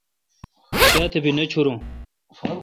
کیا تہ۔ بھی نہ چھورون۔